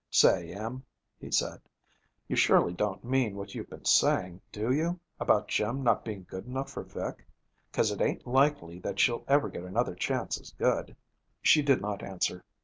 'Say, Em,' he said, 'you surely don't mean what you've been saying, do you, about Jim not being good enough for Vic? 'Cause it ain't likely that she'll ever get another chance as good.' She did not answer.